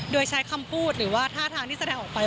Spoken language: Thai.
โดยใช้คำพูดหรือว่าท่าทางที่แสดงออกไป